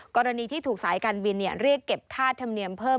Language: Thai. กรณีที่ถูกสายการบินเรียกเก็บค่าธรรมเนียมเพิ่ม